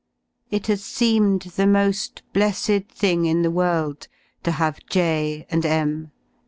It has seemed the mo^ blessed thing in the world to have J..., and xM....